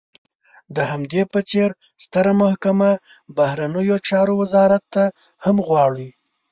د همدې په څېر ستره محکمه، بهرنیو چارو وزارت هم غواړي.